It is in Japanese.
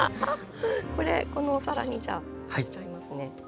これこのお皿にじゃあのせちゃいますね。